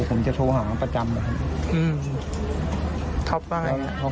โทรผมจะโทรหาประจำนะครับอืมท็อปก็ไงครับ